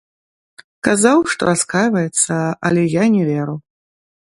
Казаў, што раскайваецца, але я не веру.